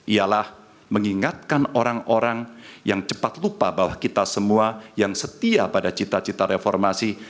ialah mengingatkan orang orang yang cepat lupa bahwa kita semua yang setia pada cita cita reformasi